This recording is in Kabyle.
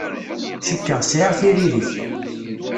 Cikkeɣ sɛiɣ tiririt.